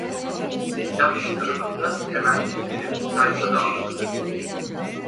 Kitap tasarımında temel bir birim sayfa dağılımıdır.